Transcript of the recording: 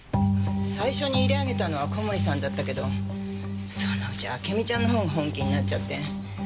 最初に入れあげたのは小森さんだったけどそのうちあけみちゃんの方が本気になっちゃって。